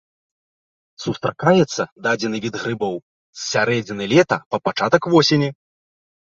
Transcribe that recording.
Сустракаецца дадзены від грыбоў з сярэдзіны лета па пачатак восені.